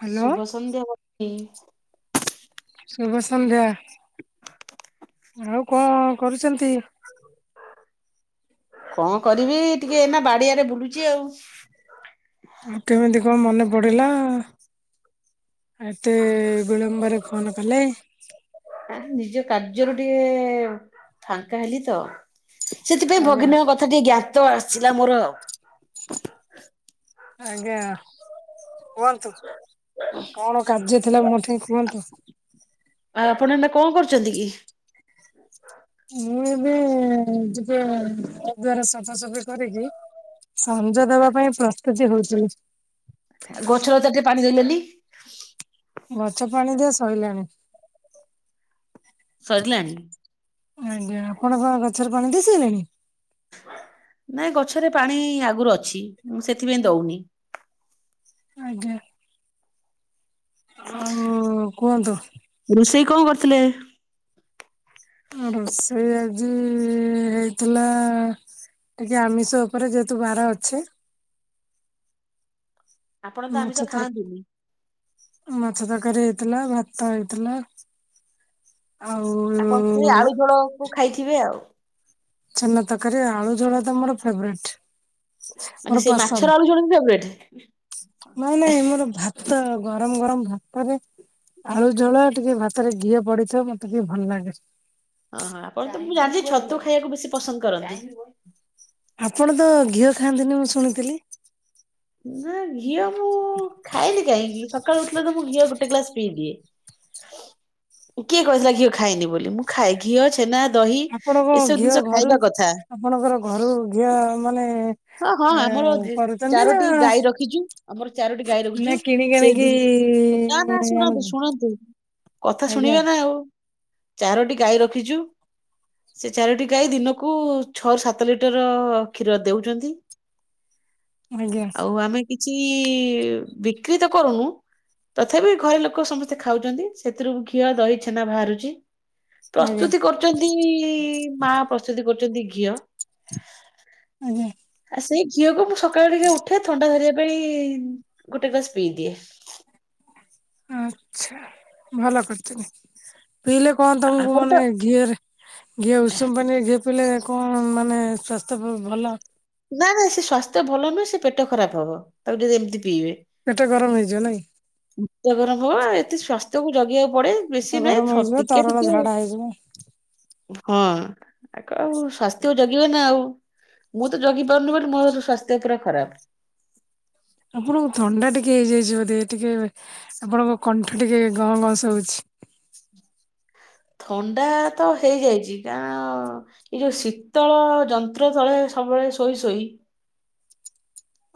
Hello ଶୁଭ ସଂଧ୍ୟା ଭକ୍ତି। ଶୁଭ ସଂଧ୍ୟା, ଆଉ କଣ କରୁଛନ୍ତି? କଣ କରିବି, ଟିକେ ଇନା ବାଡିଆଡେ ବୁଲୁଛି ଆଉ। ଆଉ କେମିତି କଣ ମନେ ପଡିଲା, ଏତେ ବିଳମ୍ବରେ ଫୋନ କଲେ। ଆ ନିଜ କାର୍ଯ୍ୟରୁ ଟିକେ ଫାଙ୍କା ହେଲି ତ। ସେଥିପାଇଁ ଆଜ୍ଞା ଭଗ୍ନୀଙ୍କ କଥା ଟିକେ ଜ୍ଞାତ ଆସିଥିଲା ମୋର ଆଉ। ଆଜ୍ଞା କୁହନ୍ତୁ କଣ କାର୍ଯ୍ୟ ଥିଲା ମୋଠି କୁହନ୍ତୁ। ଆଉ ଆପଣ ଏବେ କଣ କରୁଛନ୍ତି କି? ମୁଁ ଏବେ ଯିବେ ଦୁଆର ସଫାସଫି କରିକି ସଞ୍ଜ ଦବା ପାଇଁ ପ୍ରସ୍ତୁତି ହଉଥିଲି। ଗଛ ଲତା ଟିକେ ପାଣି ଦେଲେନି। ଗଛ ପାଣି ଦିଆ ସରିଲାଣି। ସରିଲାଣି! ଆଜ୍ଞା ଆପଣ କଣ ଗଛରେ ପାଣି ଦେଇ ସେଇଲେଣି? ନାଇଁ ଗଛରେ ପାଣି ଆଗରୁ ଅଛି ମୁଁ ସେଥିପାଇଁ ଦଉନି। ଆଜ୍ଞା ଆଉ କୁହନ୍ତୁ। ରୋଷେଇ କଣ କରୁଥିଲେ? ରୋଷେଇ ଆଜି ହେଇଥିଲା ଆଜି ଆମିଷ ଉପରେ ଯେହେତୁ ବାର ଅଛି। ଆପଣ ତ ଆମିଷ ମାଛ ତର ଖାଆନ୍ତିନି ମାଛ ତରକାରୀ ହେଇଥିଲା ଭାତ ହେଇଥିଲା। ଆଉ ଆପଣ ସେଇ ଆଳୁ ଝୋଳ କୁ ଖାଇଥିବେ ଆଉ। ଛେନା ତରକାରୀ ଆଳୁ ଝୋଳ ତ ମୋର ଫେବେରେଟ୍। ମାନେ ସେ ମାଛର ଆଳୁ ଝୋଳ ଫେବରେଟ୍? ନାଇଁ ନାଇଁ ମୋର ଭାତ ଗରମ ଗରମ ଭାତରେ ଆଳୁ ଝୋଳ ଟିକେ ଭାତରେ ଘିଅ ପଡିଥିବ ମତେ ଟିକେ ଭଲ ଲାଗେ। ହଁ ହଁ ଆପଣ ତ ମୁଁ ଜାଣିଛି ଛତୁ ଖାଇବାକୁ ବେଶୀ ପସନ୍ଦ କରନ୍ତି। ଆପଣ ତ ଘିଅ ଖାଆନ୍ତିନି ମୁଁ ଶୁଣିଥିଲି। ନା ଘିଅ ମୁଁ ଖାଏନି କାହିଁକି ସକାଳୁ ଉଠିଲେ ତ ମୁଁ ଘିଅ ଗୋଟେ ଗ୍ଲାସ ପିଇଦିଏ। କିଏ କହିଥିଲା ଘିଅ ଖାଇନି ବୋଲି ମୁଁ ଖାଏ। ଘିଅ ଛେନା ଦହି ଆପଣ କଣ ଏସବୁ ଘିଅ ଜିନିଷ ଘରୁ ଖାଇବା କଥା। ଆପଣଙ୍କର ଘରୁ ଘିଅ ମାନେ ହଁ ହଁ ଏ ଆମର କରୁଛନ୍ତି ଚାରୋଟି ନା ଗାଈ ରଖିଚୁ ଆମର ଚାରୋଟି ଗାଈ ନା ରଖିଚୁ। କିଣିକି ସେ ଆଣିକି ନା ନା ଶୁଣନ୍ତୁ ଆଣୁଛୁ ଶୁଣନ୍ତୁ କଥା ଆଜ୍ଞା ଶୁଣିବେ ନା ଆଉ। ଚାରୋଟି ଗାଈ ରଖିଚୁ। ସେ ଚାରୋଟି ଗାଈ ଦିନକୁ ଛଅ ସାତ ଲିଟର କ୍ଷୀର ଦେଉଚନ୍ତି। ଆଜ୍ଞା ଆଉ ଆମେ କିଛି ବିକ୍ରିତ କରୁନୁ। ତଥାପି ଘରେ ଲୋକ ସମସ୍ତେ ଖାଉଛନ୍ତି ସେଥିରୁ ଘିଅ ଦହି ଛେନା ବାହାରୁଚି। ଆଜ୍ଞା ପ୍ରସ୍ତୁତି କରୁଚନ୍ତି ମା ପ୍ରସ୍ତୁତି କରୁଚନ୍ତି ଘିଅ। ଆଜ୍ଞା ଆଉ ସେଇ ଘିଅକୁ ମୁଁ ସକାଳୁ ଟିକେ ଉଠେ ଥଣ୍ଡା ଧରିବା ପାଇଁ ଗୋଟେ ଗ୍ଲାସ ପିଇ ଦିଏ। ଆଛା ଭଲ କରିଛନ୍ତି। ପିଇଲେ କଣ ତମକୁ ଆପଣ ତ ମାନେ ଘିଅରେ ଘିଅ ଉଷୁମ ପାଣିରେ ଘି ପିଲେ କଣ ମାନେ ସ୍ୱାସ୍ଥ୍ୟ ଭଲ। ନା ନା ସେ ସ୍ୱାସ୍ଥ୍ୟ ଭଲ ନୁହେଁ ସେ ପେଟ ଖରାପ ହବ ତାକୁ ଟିକେ ଏମିତି ପିଇବେ। ପେଟ ଗରମ ହେଇଯିବ ନାଇଁ। ପେଟ ଗରମ ହଵ ଏତେ ସ୍ଵାସ୍ଥ୍ୟକୁ ଜଗିବାକୁ ପଡେ ବେଶୀ ପେଟ ନାହିଁ ଗରମ ହେଇଯିବ ଟିକେ ତରଳ ଟିକେ। ଝାଡା ହେଇଯିବ ହଁ ଆଗ ଆଉ ସ୍ୱାସ୍ଥ୍ୟ ଜଗିବେ ନା ଆଉ। ମୁଁ ଜଗି ପାରୁନୁ ବୋଲି ମୋର ସ୍ୱାସ୍ଥ୍ୟ ପୁରା ଖରାପ। ଆପଣଙ୍କୁ ଥଣ୍ଡା ଟିକେ ହେଇଯାଇଛି ବୋଧେ ଟିକେ ଆପଣଙ୍କ କଣ୍ଠ ଟିକେ ଗଁ ଗଁ ସୁବୁଛି। ଥଣ୍ଡା ତ ହେଇଯାଇଛି କାରଣ ଏଇ ଯୋଉ ଶୀତଳ ଯନ୍ତ୍ର ତଳେ ସବୁବେଳେ ଶୋଇ ଶୋଇ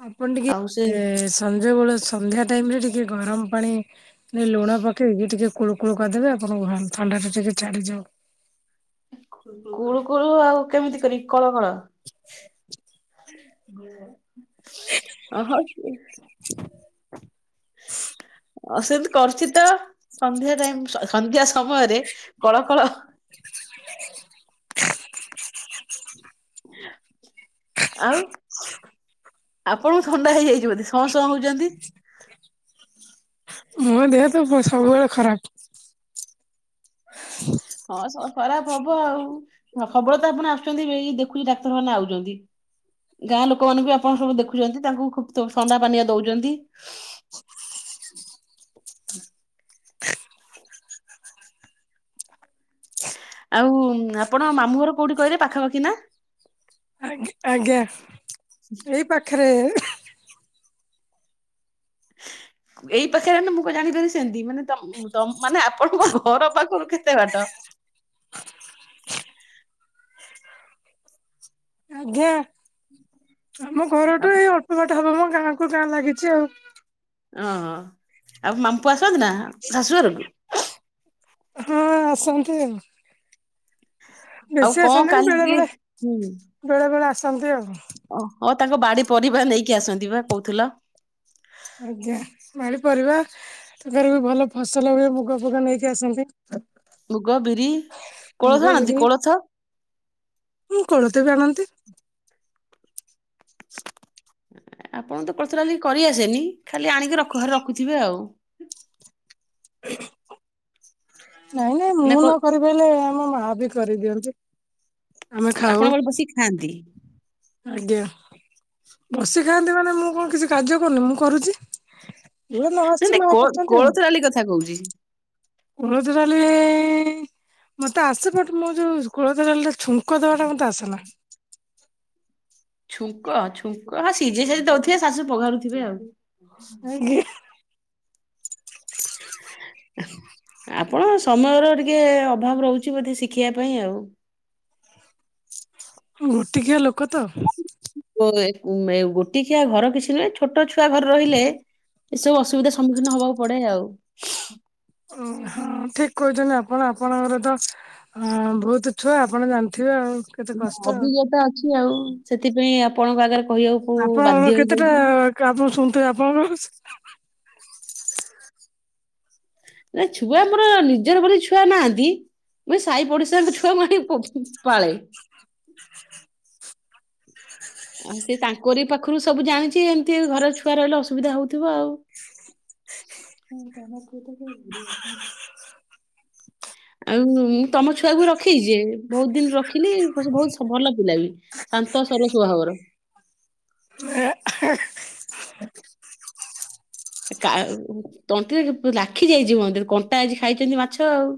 ଆପଣ ଆଉ ସେ ଟିକେ ସଞ୍ଜବେଳ ସନ୍ଧ୍ୟା ଟାଇମରେ ଟିକେ ଗରମ ପାଣି ଲୁଣ ପକେଇକି ଟିକେ କୁଳୁକୁଳୁ କରିଦେବେ ଆପଣଙ୍କ ଥଣ୍ଡା ଟିକେ ଛାଡ଼ିଯାଉ। କୁଳୁ କୁଳୁ ଆଉ କେମିତି କରି କଳ କଳ [unintelligible] [unintelligible] ଅ ସେମତି କରୁଛି ତ ସନ୍ଧ୍ୟା ଟାଇମ ସନ୍ଧ୍ୟା ସମୟରେ କଳ କଳ ଆଉ ଆପଣଙ୍କୁ ଥଣ୍ଡା ହେଇଯାଇଛି ବୋଧେ ସଂ ସଂ ହଉଛନ୍ତି। ମୋ ଦେହ ତ ସବୁବେଳେ ଖରାପ। ହଁ ସ ଖରାପ ହବ ଆଉ। ହବଳେ ତ ଆପଣ ଆସୁଛନ୍ତି ଦେଖୁଚି ଡାକ୍ତରମାନେ ଆଉଚନ୍ତି। ଗାଁ ଲୋକ ମାନଙ୍କୁ ବି ଆପଣ ସବୁ ଦେଖୁଛନ୍ତି ତାଙ୍କୁ ଖୁବ ଥଣ୍ଡା ପାନିଅ ଦୋଉଚନ୍ତି। ଆଉ ଆପଣ ମାମୁଁ ଘର କୋଉଠି କହିଲେ ପାଖାପାଖି ନା। ଆଜ୍ଞା ଆଜ୍ଞା ଏଇ ପାଖରେ ଏଇ ପାଖରେ ଏନେ ମୁଁ କ ଜାଣିପାରିବି ସେମିତି ମାନେ ତମ ତ ମାନେ ଆପଣଙ୍କ ଘର ପାଖରୁ କେତେ ବାଟ। ଜ୍ଞାଁ ଆମ ଘରଠୁ ଏଇ ଅଳ୍ପ ବାଟ ହବ ମୋ ଗାଁ କୁ ଗାଁ ଲାଗିଚି ଆଉ। ଓହୋ ଆଉ ମାମପୁଅ ଆସନ୍ତି ନା ଶାଶୁ ଘରକୁୁ। ହଁ ଆସନ୍ତି ଆଉ। ଆଉ ବେଶୀ କଣ ଆସନ୍ତିନି କାଲି ବେଳେ ଟିକେ ବେଳେ ବେଳେ ବେଳେ ଆସନ୍ତି ଆଉ। ଓ ହୋ ତାଙ୍କ ବାଡି ପରିବା ନେଇକି ଆସନ୍ତି ବା କହୁଥିଲ। ଆଜ୍ଞା ବାଡ଼ି ପରିବା ତାଙ୍କ ର ବି ଭଲ ଫସଲ ହୁଏ ମୁଗ ଫୁଗ ନେଇକି ଆସନ୍ତି। ମୁଗ ବିରି ମୁଗ କୋଳଥ ଆଣନ୍ତି କୋଳଥ। ହୁଁ କୋଳଥବି ଆଣନ୍ତି। ଆପଣ ତ କୋଳଥଡାଲି କରିଆସେନି ଖାଲି ଆଣିକି ରଖ ଘ ରଖୁଥିବେ ଆଉ। ନାଇଁ ନାଇଁ ନା ମୁଁ କୋ ନ କରି ପାଇଲେ ଆମ ମା ବି କରିଦିଅନ୍ତି। ଆମେ ଖାଉ ଆପଣଙ୍କ ବସିକି ଖାଆନ୍ତି। ଆଜ୍ଞା। ବସି ଖାଆନ୍ତି ମାନେ ମୁଁ କଣ କିଛି କାର୍ଯ୍ୟ କରୁନି ମୁଁ କରୁଛି। ଜୋରା ନ ନାଇଁ ଆଶୁଛି ନାଇଁ ମା କୋ କରୁଛନ୍ତି। କୋଳଥ ଡାଲି କଥା କୋହୁଚି। କୋଳଥ ଡାଲି ମତେ ଆସ ବଟ ମୁଁ ଯୋଉ କୋଳଥଡାଲିର ଛୁଁ ଙ୍କ ଦେବାଟା ମତେ ଆସେନା। ଛୁଁଙ୍କ ଛୁଁଙ୍କ ହ ସିଜେ ସାରି ଦଉଥିବେ ଶାଶୁ ପଘାରୁଥିବେ ଆଉ। ଆଜ୍ଞା [inaudible] ଆପଣ ସମୟର ଟିକେ ଅଭାବ ରହୁଚି ବୋଧେ ଶିଖିବା ପାଇଁ ଆଉ। ଗୋଟିକିଆ ଲୋକ ତ। ଗୋ ଗୋଟି କିିଆ ଘର କିଛି ନୁହେଁ ଛୋଟ ଛୁଆ ଘରେ ରହିଲେ ଏସବୁ ଅସୁବିଧା ସମ୍ମୁଖୀନ ହବାକୁ ପଡେ ଆଉ। ଠିକ୍ କହୁଛନ୍ତି ଆପଣ ଆପଣଙ୍କର ତ ହଁ ଭୋହୁତୁ ଛୁଆ ଆପଣ ଜାଣିଥିବେ ଆଉ। କେତେ କଷ୍ଟ ଆଉ। ଅଭିଜ୍ଞତା ଅଛି ଆଉ ସେଥିପାଇଁ ଆପଣଙ୍କ ଆଗରେ କହିବାକୁ ବାଧ୍ୟ ଆପଣଙ୍କର କେତେଟା ହେଇଯାଉଛି କାମ ମୁଁ ଶୁଣୁଥିଲି ଆପଣଙ୍କର। ନା ଛୁଆ ମୋର ନିଜର ବୋଲି ଛୁଆ ନାହାନ୍ତି ମୁଇ ଏଇ ସାଇ ପଡିଶାଙ୍କ ଛୁଆଙ୍କୁ ଆଣି ପାଳେ। ଆଉ ସେ ତାଙ୍କରି ପାଖରୁ ସବୁ ଜାଣିଚି ଏମିତି ଘର ଛୁଆ ରହିଲେ ଅସୁବିଧା ହଉଥିବ ଆଉ। ହଁ ତମ [unintelligible] ଆଉ ମୁଁ ତମ ଛୁଆକୁ ରଖେଇଚି ବୋହୁତ ଦିନ ରଖିଲି ବୋହୁତ ଭଲ ପିଲା ବି। ଶାନ୍ତ ସରସ୍ୱଭାବର। କାଉ ତଣ୍ଟିରେ ଲାଖି ଯାଇଛି ମନ୍ଦିରେ କଣ୍ଟା ଆଜି ଖାଇଛନ୍ତି ମାଛ ଆଉ। ହ [inaudible]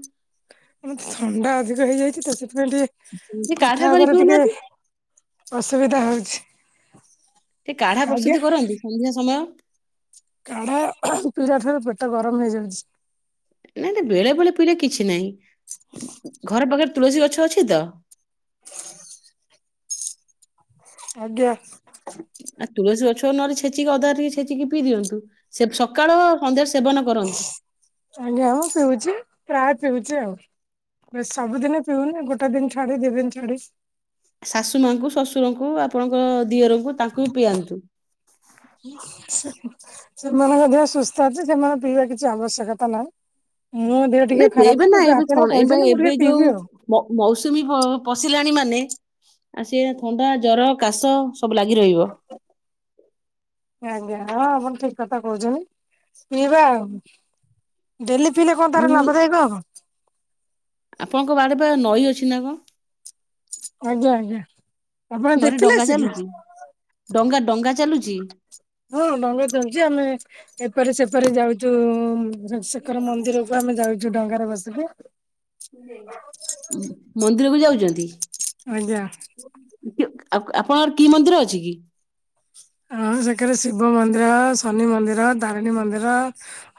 ଥଣ୍ଡା ଅଧିକ ହେଇଯାଇଛି ତ ସେଥିପାଇଁ ଟିକେ ସେ କାଢା କଥା କରି ହବାରେ ଟିକେ ପିଉନାହାନ୍ତି ଅସୁବିଧା ହଉଛି। ଟିକେ କାଢା ଆଜ୍ଞା ପ୍ରସ୍ତୁତି କରନ୍ତୁ ସନ୍ଧ୍ୟା ସମୟ କାଢା ପିଇିଲା ଠାରୁ ପେଟ ଗରମ ହେଇଯାଉଛି। ନାଇଁ ତ ବେଳେ ବେଳେ ପିଇଲେ କିଛି ନାଇଁ ଘର ପାଖରେ ତୁଳସୀ ଗଛ ଅଛି ତ? ଆଜ୍ଞା। ଆଉ ତୁଳସି ଗଛ କୁ ନହେଲେ ଛେଚିକି ଅଦା ଟିକେ ଛେଚିକି ପିଇ ଦିଅନ୍ତୁ। ସେ ସକାଳ ସନ୍ଧ୍ୟାରେ ସେବନ କର ଆଜ୍ଞା ମୁଁ ପିଉଛି ପ୍ରାୟ ପିଉଛି ଆଉ। ବେଶ ସବୁଦିନ ପିଉନି ଗୋଟେ ଦିନ ଛାଡି ଦି ଦିନ ଛାଡି। ଶାଶୁ ମାଙ୍କୁ ଶଶୁରଙ୍କୁ ଆପଣଙ୍କ ଦିଅରଙ୍କୁ ତାଙ୍କୁ ବି ପିଆନ୍ତୁ। ସେମାନଙ୍କ ଦେହ ସୁସ୍ଥ ଅଛି ସେମାନେ ପିଇବା କିଛି ଆବଶ୍ୟକତା ନାଇଁ। ମୋ ଦେହ ଟିକେ ନାଇଁ ପିଇବେ ଖରାପ ନା ଯଦି ଏବେ ଆପଣ ଥଣ୍ଡା- ଏବେ କହିଛନ୍ତି ମୁଁ ଏବେ ଟିକେ ଯୋଉ ପିଇବି ଆଉ। ମ ମୌସୁମୀ ହ ପଶିଲାଣି ମାନେ ଆଉ ସିଏ ଥଣ୍ଡା, ଜର, କାଶ ସବୁ ଲାଗି ରହିବ। ଆଜ୍ଞା ହଁ ଆପଣ ଠିକ କଥା କହୁଛନ୍ତି, ପିଇବା ଆଉ। ଡେଲି ପିିଲେ କଣ ତାର ଆଉ ଲାଭଦାୟକ ହବ। ଆପଣଙ୍କ ବାଡ଼ି ବା ନଈ ଅଛି ନା କ? ଆଜ୍ଞା ଆଜ୍ଞା ଆପଣ ନଈରେ ଦେଖିଲେ ଡଙ୍ଗା ଆସିକି। ଚାଲୁଚି ଡଙ୍ଗା ଡଙ୍ଗା ଚାଲୁଚି। ହଁ ଡ଼ଙ୍ଗା ଚାଲିଛି ଆମେ ଏପରି ସେପରି ଯାଉଚୁ। ସେକର ମନ୍ଦିରକୁ ଆମେ ଯାଉଛୁ ଡଙ୍ଗାରେ ବସିକି। ମନ୍ଦିର କୁ ଯାଉଚନ୍ତି। ଆଜ୍ଞା। ଆପ୍ ଆପଣଙ୍କର କି ମନ୍ଦିର ଅଛି କି? ହଁ ସେକରେ ଶିବ ମନ୍ଦିର, ଶନି ମନ୍ଦିର, ତାରିଣୀ ମନ୍ଦିର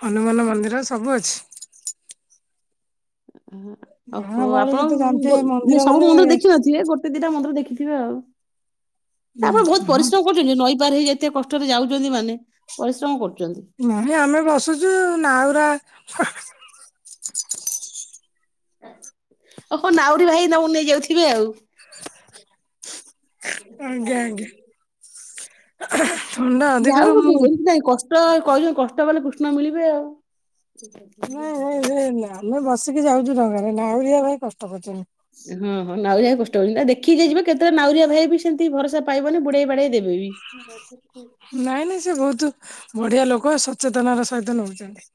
ହନୁମାନ ମନ୍ଦିର ସବୁ ଅଛି। ଗାଁ ଓହୋ ଆପଣ ଗହଳିରେ ତ ଜାଣିଥିବେ ଉଁ ମନ୍ଦିର ସବୁ ମାନେ ମୁଣ୍ଡରେ ଦେଖିନ ନଥିବେ ଗୋ ଟେ ଦିଟା ମନ୍ଦିର ଦେଖିଥିବେ ଆଉ ତାପରେ ବହୁତ ଉଁ ପରିଶ୍ରମ୍ କହୁଛନ୍ତି ନଈ ପାର ହୋଇ ଯେତେ କଷ୍ଟରେ ଯାଉଛନ୍ତି ମାନେ ପରିଶ୍ରମ କରୁଛନ୍ତି। ନାଇଁ ଆମେ ବସୁଛୁ ନାଉୁରା [unintelligible] ଓ ହୋ ନାଉରୀ ଭାଇ ତମକୁ ନେଇଯାଉଥିବେ ଆଉ। ଆଜ୍ଞା ଆଜ୍ଞା। ଥଣ୍ଡା ଅଧିକରୁ ଯାଉଠୁ ମୁଁ ଏମତି ନାଇଁ କଷ୍ଟ କହିଲ କଷ୍ଟ କଲେ କୃଷ୍ଣ ମିଳିବେ ଆଉ। ନାଇଁ ନାଇଁ [unintelligible] ଆମେ ବସିକି ଯାଉଛୁ ଡଙ୍ଗାରେ ନାଉରଆ ଭାଇ କଷ୍ଟ କରୁଛନ୍ତି। ହଁ ହଁ ନାଉରିଆ କଷ୍ଟ ହଉନି ନା ଦେଖିକି ଟିକେ ଯିବେ କେତେବେଳେ ନାଉରୀଆ ଭାଇ ବି ସେମିତି ଭରସା ପାଇବନି ବୁଡେଇ ବାଡେଇ ଦେବେ ବି। [unintelligible] ନାଇଁ ନାଇଁ ସେ ବହୁତ ବଢିଆ ଲୋକ ସଚେତନ ର ସହିତ ନେଉଛନ୍ତି।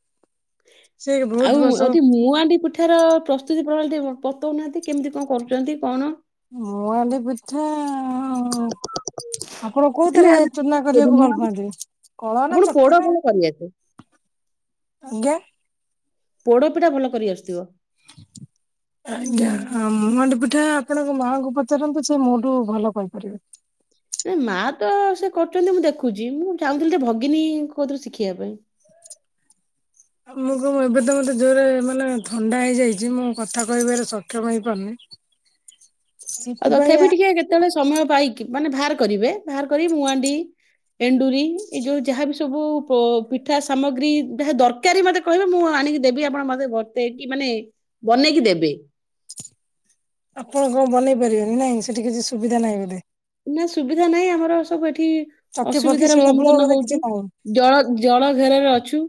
ଆଉ ଆଉଠି ମୁଁଆଣ୍ଡିି ପିଠାର ପ୍ରସ୍ତୁତି ପ୍ରଣାଳୀ ଟିକେ ବତଉ ନାହାନ୍ତି କେମିତି କଣ କରୁଛନ୍ତି କଣ? ମୁଆନ୍ତି ପିଠା ଆପଣ କୋଉଥିରେ ନା ଚୁନା କରିବାକୁ ନା ଭଲ ପାଆନ୍ତି କଳ ନା ଆପଣ ପୋଡ ଚକି ନା ଭଲ କରିଆସେ ଆଜ୍ଞା। ପୋଡ ପିଠା ଭଲ କରି ଆସୁଥିବ। ଆଜ୍ଞା ମୁହାଣ୍ଡି ପିଠା ଆପଣଙ୍କ ମାଆଙ୍କୁ ପଚାରନ୍ତୁ ସେ ମୋଠୁ ଭଲ କହିପାରିବେ। ମା ତ ସେ କରୁଛନ୍ତି ମୁଁ ଦେଖୁଛି ମୁଁ ଚାହୁଁଥିଲି ଯେ ଭଗିନୀ କୋଉଥିରୁ ଶିଖିବା ପାଇଁ। ମୁଁ କ ମୁ ଏବେ ତ ମତେ ଜୋରେ ମାନେ ଥଣ୍ଡା ହେଇଯାଇଛି ମୁଁ କଥା କହିବାରେ ସକ୍ଷମ ହେଇପାରୁନି। [inaudible] ଆଉ ସେଥିପାଇଁ ତଥାପି ଟିକେ କେତେବେଳେ ସମୟ ପାଇକି ମାନେ ବାହାର କରିବେ ବାହାର କରିିକି ମୁଁ ଆଣ୍ଡି ଏଣ୍ଡୁରି ଏ ଯୋଉ ଯାହାବ ସବୁ ପ ପିଠା ସାମଗ୍ରୀ ଯାହା ଦ କାରି ମତେ କହିବେ ମୁଁ ଆଣିକି ଦେବି ଆପଣ ମତେ ବତେଇକି ମାନେ ବନେଇକି ଦେବେ। ଆପଣ କଣ ବନେଇ ପାରିବେନି ନାଇଁ ସେଠି କିଛି ସୁବିଧା ନାହିଁ ବୋଧେ? ନା ସୁବିଧା ନାହିଁ ଆମର ସବୁ ଏଠି ଚକି ଫକି ଅସୁବିଧାର ଶିଳ ଆମେ ଫିଳ ସମ୍ମୁଖୀନ ବୋଧେ କିଛି ହଉଚୁ। ନାହିଁ ଜଳ ଜଳ ଘେରାରେ ଅଛୁ।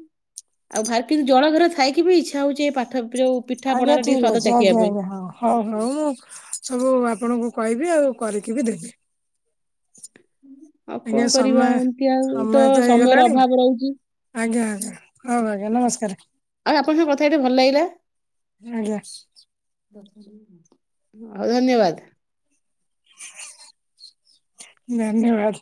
ଆଉ [unintelligible] ଜଳ ଘରେ ଥାଇକି ବି ଇଚ୍ଛା ହଉଚି ପାଠ ଯୋଉ ପିଠା ଆଜ୍ଞା ପଣାର ଟିକେ ଠିକ୍ ସ୍ୱାଦ ଅଛି ଚାଖିବା ଆଜ୍ଞା ପାଇଁ ଆଜ୍ଞା ହ ହଉ। ହଉ ମୁଁ ସବୁ ଆପଣଙ୍କୁ କହିବି ଆଉ କରିକି ବି ଦେବି। ଆଉ ଆଜ୍ଞା କଣ କରିବା ସମୟ ଏମତି ଆଉ ତ ସମୟ ସମୟର ହେଇଗଲାଣି ଅଭାବ ରହୁଚି। ଆଜ୍ଞା ଆଜ୍ଞା ହଉ ଆଜ୍ଞା ନମସ୍କାର। ଆଉ ଆପଣଙ୍କ ସହ କଥା ହେଇକି ଟିକେ ଭଲ ଲାଗିଲା। ଆଜ୍ଞା। ହଉ ଧନ୍ୟବାଦ। ଧନ୍ୟବାଦ।